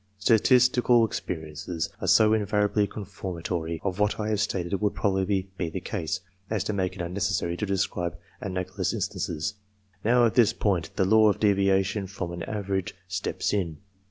Statistical experiences are so invariably confirmatory of what I have stated would probably be the case, as to make it unnecessary to describe analogous instances. Now, at this point, the law of deviation from an average steps in.